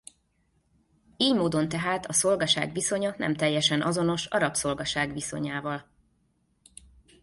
Ily módon tehát a szolgaság viszonya nem teljesen azonos a rabszolgaság viszonyával.